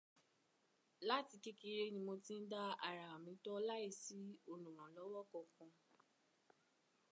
Làti kékeré ni mo ti ń dá ará mi tọ́ láìsí olùrànlọ́wọ́ kankan